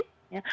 orang tua juga